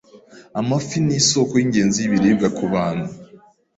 Amafi nisoko yingenzi yibiribwa kubantu.